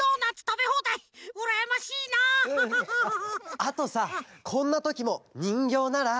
あとさこんなときもにんぎょうなら。